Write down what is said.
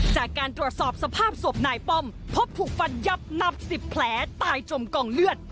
จากการตรวจสอบสภาพศพนายป้อมพบถูกฟันยับนับ๑๐แผลตายจมกองเลือด